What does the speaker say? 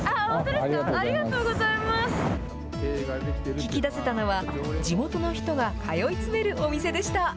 聞き出せたのは、地元の人が通い詰めるお店でした。